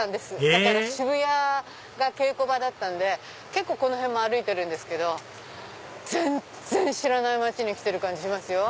へぇ渋谷が稽古場だったんでこの辺も歩いてるんですけど全然知らない街に来てる感じしますよ。